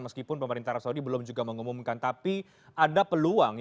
meskipun pemerintah saudi belum juga mengumumkan